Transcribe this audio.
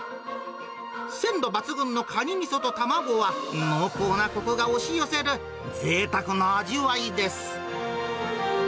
鮮度抜群のカニミソと卵は濃厚なこくが押し寄せるぜいたくな味わいです。